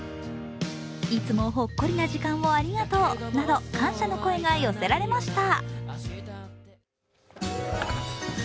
いつもほっこりな時間をありがとうなど感謝の声が寄せられました。